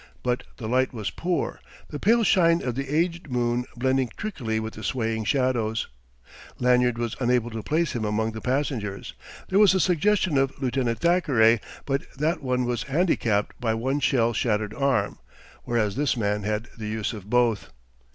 But the light was poor, the pale shine of the aged moon blending trickily with the swaying shadows; Lanyard was unable to place him among the passengers. There was a suggestion of Lieutenant Thackeray but that one was handicapped by one shell shattered arm, whereas this man had the use of both.